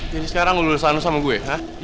jadi sekarang lo lulus anu sama gue ha